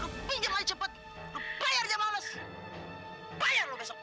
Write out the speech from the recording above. lo pinjam aja cepet lo bayar aja malas bayar lo besok